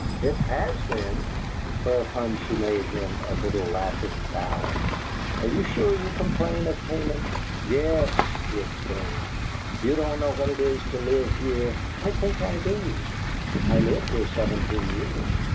"It HAS been!" Whereupon she made him a laughing little bow. "You are sure you complain of Canaan?" "Yes!" he exclaimed. "You don't know what it is to live here " "I think I do. I lived here seventeen years."